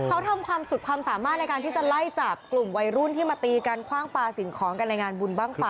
เขาทำความสุดความสามารถในการที่จะไล่จับกลุ่มวัยรุ่นที่มาตีกันคว่างปลาสิ่งของกันในงานบุญบ้างไฟ